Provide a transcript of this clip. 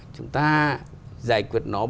chúng ta giải quyết nó